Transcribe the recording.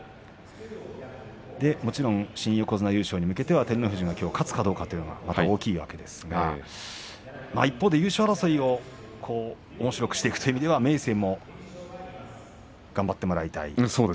もちろん新横綱優勝に向けては照ノ富士がきょう勝つかどうかというのが大きいんですが一方で優勝争いをおもしろくしていくという点では明生にも頑張ってもらいたい。